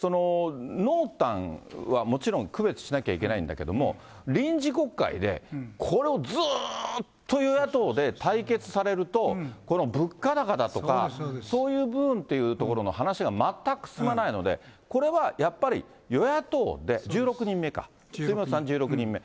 濃淡はもちろん、区別しなきゃいけないんだけども、臨時国会で、これをずーっと与野党で対決されると、この物価高だとか、そういう部分というところの話は全く進まないので、これはやっぱり与野党で、１６人目か、辻元さん１６人目。